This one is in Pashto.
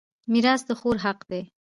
میراث د خور حق دی.